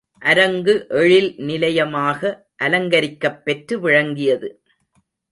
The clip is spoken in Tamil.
அரங்கு எழில் நிலையமாக அலங்கரிக்கப் பெற்று விளங்கியது.